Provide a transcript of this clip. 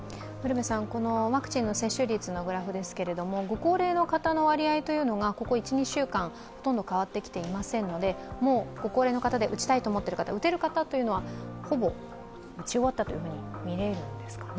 ワクチンの接種率のグラフですけれども、ご高齢の方の割合がここ１２週間ほとんど変わってきていませんのでもう、ご高齢の方で打ちたいと思ってる方、打てる方はほぼ打ち終わったと見れるんですかね。